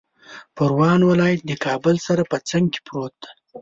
پروان ولایت د کابل سره په څنګ کې پروت دی